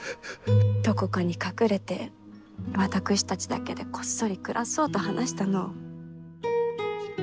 どこかに隠れて私たちだけでこっそり暮らそうと話したのを。